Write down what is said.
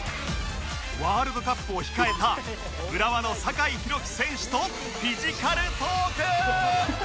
ワールドカップを控えた浦和の酒井宏樹選手とフィジカルトーク！